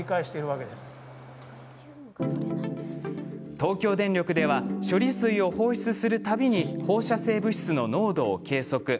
東京電力では処理水を放出する度に放射性物質の濃度を計測。